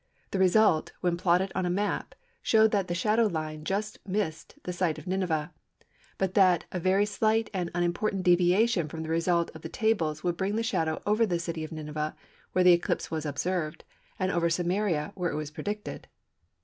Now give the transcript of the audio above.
The result, when plotted on a map, showed that the shadow line just missed the site of Nineveh, but that a very slight and unimportant deviation from the result of the Tables would bring the shadow over the city of Nineveh where the eclipse was observed, and over Samaria where it was predicted.